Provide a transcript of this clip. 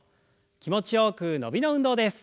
気持ちよく伸びの運動です。